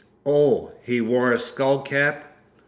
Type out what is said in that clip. "Oh, he wore a skull cap?"